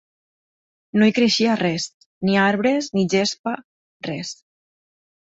No hi creixia res, ni arbres, ni gespa... res.